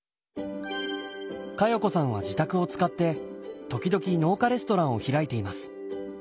加代子さんは自宅を使って時々農家レストランを開いています。